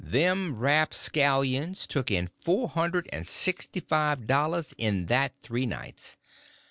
Them rapscallions took in four hundred and sixty five dollars in that three nights.